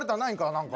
何か。